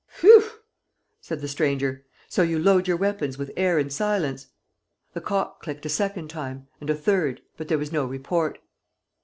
"Whew!" said the stranger. "So you load your weapons with air and silence?" The cock clicked a second time and a third, but there was no report.